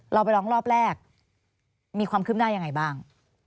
เราไปร้องรอบแรกมีความคืบหน้ายังไงบ้าง